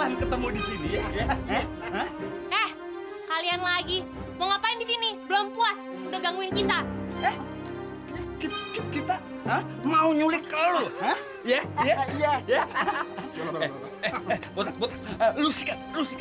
aku tuh mau dandan dulu tau gak